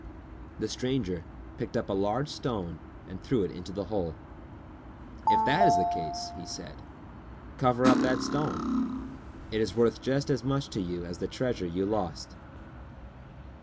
The stranger picked up a large stone and threw it into the hole. "If that is the case," he said, "cover up that stone. It is worth just as much to you as the treasure you lost!"